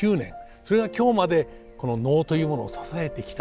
それが今日までこの能というものを支えてきた。